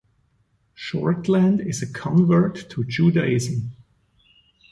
Shortland is a convert to Judaism.